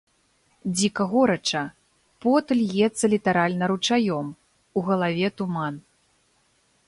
Дзіка горача, пот льецца літаральна ручаём, у галаве туман.